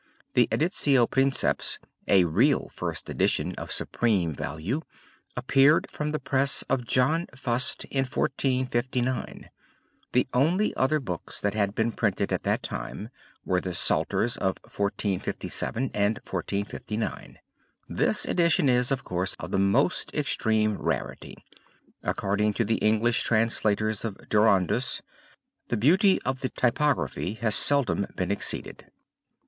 The Editio Princeps, a real first edition of supreme value, appeared from the press of John Fust in 1459. The only other books that had been printed at that time were the Psalters of 1457 and 1459. This edition is, of course, of the most extreme rarity. According to the English translators of Durandus the beauty of the typography has seldom been exceeded.